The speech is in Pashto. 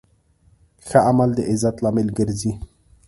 ښه عمل د عزت لامل ګرځي.